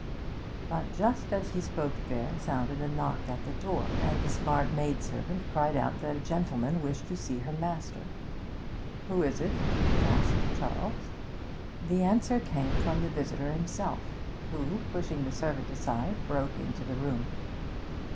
But just as he spoke there sounded a knock at the door, and the smart maidservant cried out that a gentleman wished to see her master. 'Who is it?' asked Charles. The answer came from the visitor himself, who, pushing the servant aside, broke into the room.